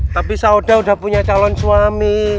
tapi saudara sudah punya calon suami